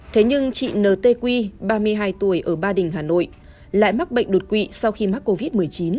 thế nhưng chị n t quy ba mươi hai tuổi ở ba đình hà nội lại mắc bệnh đột quỵ sau khi mắc covid một mươi chín